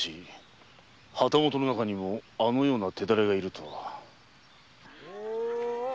旗本の中にもあのような手だれがいるとは。